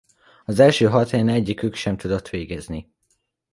Az első hat helyen egyikük sem tudott végezni.